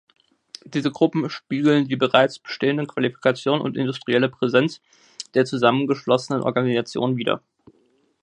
Diese Gruppen spiegeln die bereits bestehende Qualifikation und industrielle Präsenz der zusammengeschlossenen Organisationen wider.